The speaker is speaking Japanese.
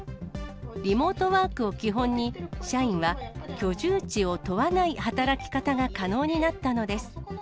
リモートワークを基本に、社員が居住地を問わない働き方が可能になったのです。